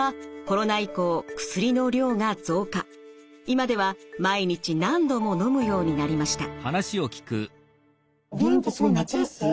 今では毎日何度ものむようになりました。